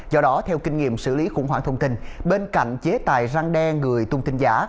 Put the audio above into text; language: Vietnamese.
do đó theo kinh nghiệm xử lý khủng hoảng thông tin bên cạnh chế tài răng đen gửi thông tin giả